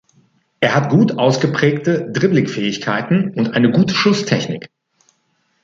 Er hat gut ausgeprägte Dribbling-Fähigkeiten und eine gute Schusstechnik.